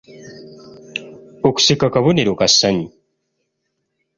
Okuseka kabonero ka ssanyu.